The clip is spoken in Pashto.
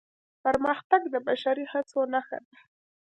پرمختګ د بشري هڅو نښه ده.